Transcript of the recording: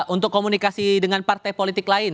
untuk komunikasi dengan partai politik lain